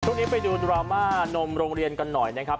ช่วงนี้ไปดูดราม่านมโรงเรียนกันหน่อยนะครับ